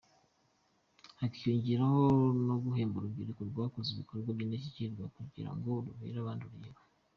Hakiyongeraho no guhemba urubyiruko rwakoze ibikorwa by’indashyikirwa kugira ngo rubere abandi urugero.